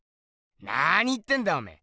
なに言ってんだおめえ。